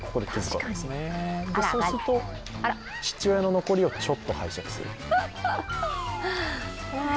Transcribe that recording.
そうすると、父親の残りをちょっと拝借する。